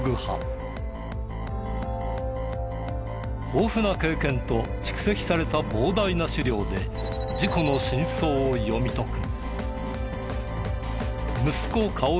豊富な経験と蓄積された膨大な資料で事故の真相を読み解く。